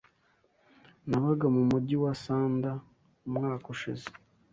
Nabaga mu mujyi wa Sanda umwaka ushize.